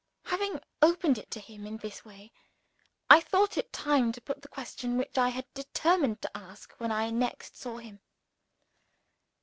Having opened it to him in this way, I thought it time to put the question which I had determined to ask when I next saw him.